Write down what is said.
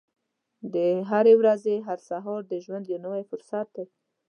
د هرې ورځې هر سهار د ژوند یو نوی فرصت دی.